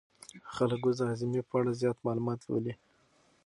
خلک اوس د هاضمې په اړه زیات معلومات لولي.